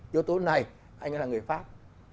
yếu tố này anh ấy là người pháp